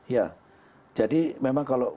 ya jadi memang kalau